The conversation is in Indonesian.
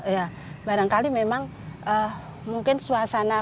ya barangkali memang mungkin suasana rumah ini